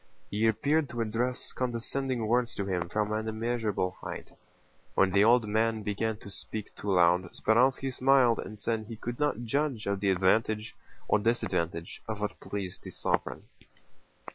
He appeared to address condescending words to him from an immeasurable height. When the old man began to speak too loud, Speránski smiled and said he could not judge of the advantage or disadvantage of what pleased the sovereign.